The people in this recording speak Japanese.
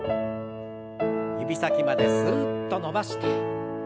指先まですっと伸ばして。